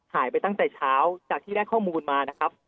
หายไปตั้งแต่เช้าจากที่ได้ข้อมูลมานะครับ